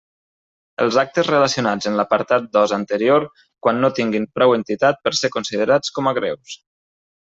Els actes relacionats en l'apartat dos anterior, quan no tinguin prou entitat per ser considerats com a greus.